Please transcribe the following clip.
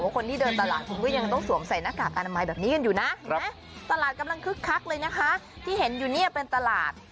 คนที่เดินตลาดก็ยังต้องสวมใส่หน้ากากอนามัยอย่างนี้อยู่ตลาดกำลังคึกคักเลยได้เป็นตลาด